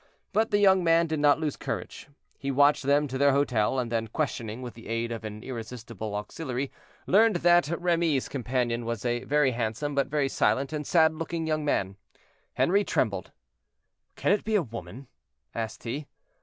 But the young man did not lose courage; he watched them to their hotel, and then questioning, with the aid of an irresistible auxiliary, learned that Remy's companion was a very handsome, but very silent and sad looking young man. Henri trembled. "Can it be a woman?" asked he.